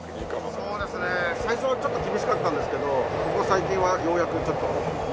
そうですね最初はちょっと厳しかったんですけどここ最近はようやくちょっと。